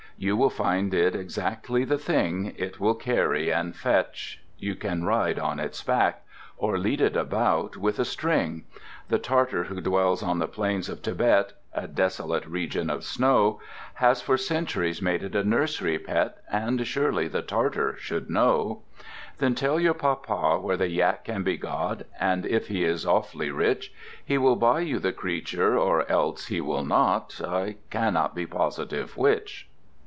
You will find it exactly the thing: It will carry and fetch, you can ride on its back, Or lead it about with a string. The Tartar who dwells on the plains of Thibet (A desolate region of snow) Has for centuries made it a nursery pet, And surely the Tartar should know! Then tell your papa where the Yak can be got, And if he is awfully rich He will buy you the creature or else he will not. (I cannot be positive which.)